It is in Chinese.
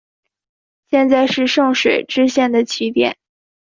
现在是圣水支线的起点。